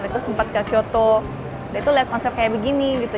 itu sempat ke kyoto dan itu liat konsep kayak begini gitu